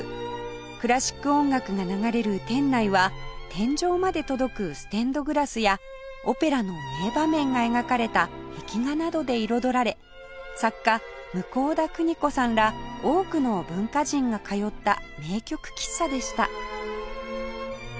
クラシック音楽が流れる店内は天井まで届くステンドグラスやオペラの名場面が描かれた壁画などで彩られ作家向田邦子さんら多くの文化人が通った名曲喫茶でした